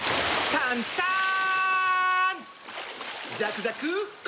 タンターン！